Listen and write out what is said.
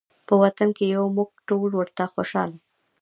په وطن کې یو موږ ټول ورته خوشحاله